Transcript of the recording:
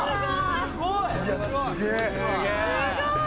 すごい！